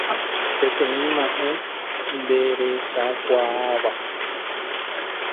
Peteĩ ma'ẽ nderechakuaáva